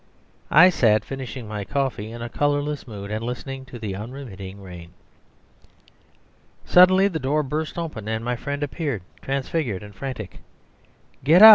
I sat finishing my coffee in a colourless mood, and listening to the unremitting rain. ..... Suddenly the door burst open, and my friend appeared, transfigured and frantic. "Get up!"